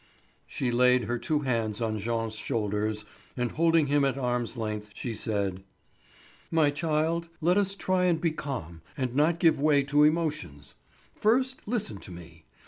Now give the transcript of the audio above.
She laid her two hands on Jean's shoulders, and holding him at arm's length she said: "My child, let us try and be calm and not give way to emotions. First, listen to me.